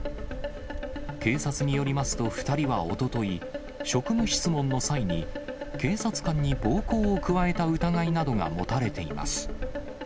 警察によりますと２人はおととい、職務質問の際に、警察官に暴行を加えた疑いなどが持たれています。